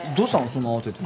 そんな慌てて。